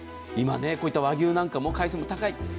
こういった和牛なんかも海鮮も高い。